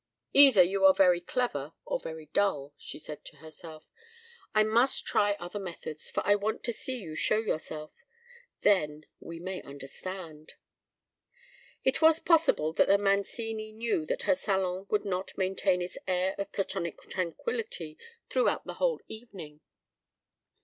"Either you are very clever or very dull," she said to herself. "I must try other methods, for I want to see you show yourself. Then—we may understand." It was possible that the Mancini knew that her salon would not maintain its air of Platonic tranquillity throughout the whole evening.